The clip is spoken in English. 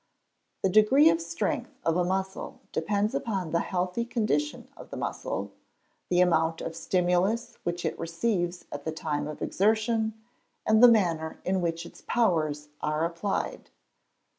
_ The degree of strength of a muscle depends upon the healthy condition of the muscle, the amount of stimulus which it receives at the time of exertion, and the manner in which its powers are applied.